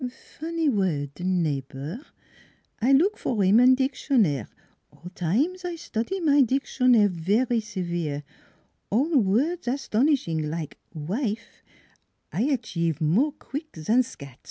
Fonnie word neighbor. I look for him in dic tionnaire. All times I study my dictionnaire very severe, all word astonishing like wife, I achieve more queek zan scat.